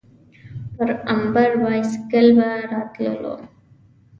پر امبر بایسکل به راتللو.